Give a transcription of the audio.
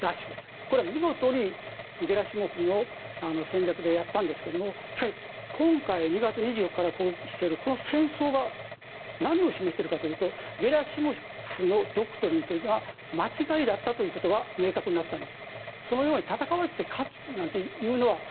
これは見事にゲラシモフの戦略でやったんですが今回、２月２４日から侵攻しているこの戦争は何を示しているかというとゲラシモフのドクトリンというのは間違いだったということが明確になったんです。